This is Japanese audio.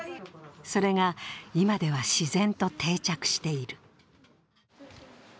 それが今では自然と定着している。